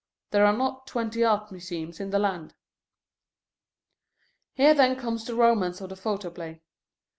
There are not twenty Art museums in the land. Here then comes the romance of the photoplay.